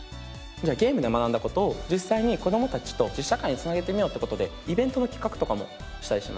ゲームで学んだ事を実際に子供たちと実社会に繋げてみようという事でイベントの企画とかもしたりします。